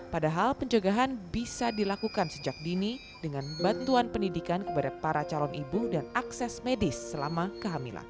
padahal penjagaan bisa dilakukan sejak dini dengan bantuan pendidikan kepada para calon ibu dan akses medis selama kehamilan